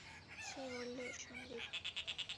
সে বললে, সন্দীপ!